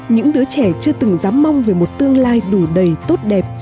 những đứa trẻ chưa từng dám mong về một tương lai đủ đầy tốt đẹp